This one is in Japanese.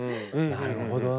なるほどな。